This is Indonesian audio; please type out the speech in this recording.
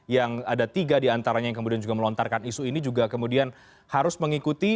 yang ada tiga diantaranya yang kemudian juga melontarkan isu ini juga kemudian harus mengikuti